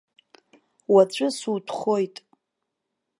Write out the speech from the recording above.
Уаҵәы сутәхоит.